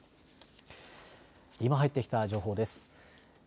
今入ってきた情報です。